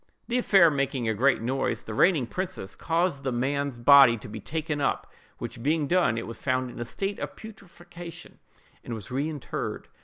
The affair making a great noise, the reigning princess caused the man's body to be taken up, which being done, it was found in a state of putrefaction, and was reinterred.